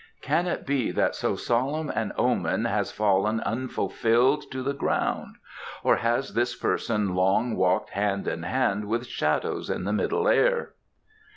"Can it be that so solemn an omen has fallen unfulfilled to the ground; or has this person long walked hand in hand with shadows in the Middle Air?"